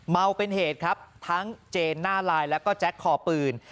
เมาเป็นเหตุครับทั้งเจนหน้าลายแล้วก็แจ็คคอปืน